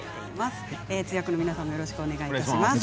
通訳の皆さんもよろしくお願いします。